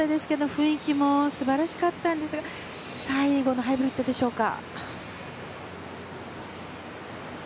雰囲気も素晴らしかったんですが最後のハイブリッドでしょうか。